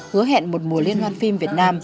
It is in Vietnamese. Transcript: hứa hẹn một mùa liên hoàn phim việt nam